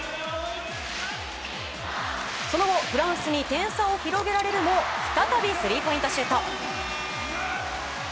その後、フランスに点差を広げられるも再びスリーポイントシュート。